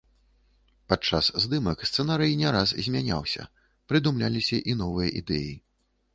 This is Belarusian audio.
Падчас здымак сцэнарый не раз змяняўся, прыдумляліся і новыя ідэі.